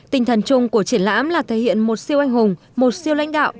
tinh thần chung của triển lãm là thể hiện một siêu anh hùng một siêu lãnh đạo